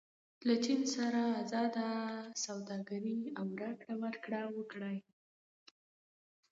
له چین سره ازادانه سوداګري او راکړه ورکړه وکړئ.